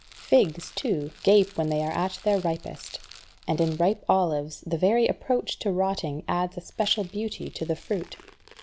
Figs, too, gape when at their ripest, and in ripe olives the very approach to rotting adds a special beauty to the fruit.